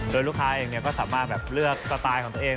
โดยลูกค้าเองก็สามารถแบบเลือกสไตล์ของตัวเอง